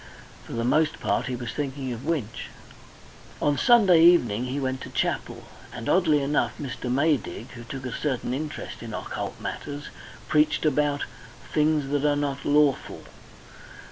For the most part he was thinking of Winch. On Sunday evening he went to chapel, and oddly enough, Mr. Maydig, who took a certain interest in occult matters, preached about "things that are not lawful."